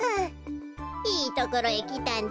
いいところへきたんだわべ。